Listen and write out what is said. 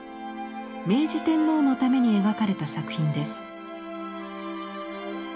明治天皇のために描かれた作品です。